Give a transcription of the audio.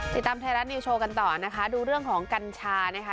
ติดตามไทยรัฐนิวโชว์กันต่อนะคะดูเรื่องของกัญชานะคะ